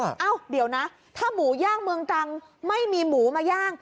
เอ้าเดี๋ยวนะถ้าหมูย่างเมืองตรังไม่มีหมูมาย่าง